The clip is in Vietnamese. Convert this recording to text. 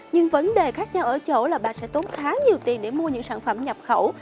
nhưng vấn đề khác nhau ở chỗ là bà sẽ tốn khá nhiều tiền để mua những sản phẩm nhập khẩu